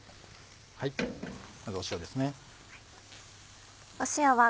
まず塩ですね。